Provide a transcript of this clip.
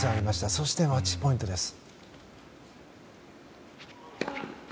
そしてマッチポイントです。